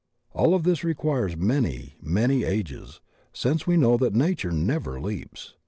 All of this requires many, many ages, since we know that nature never leaps.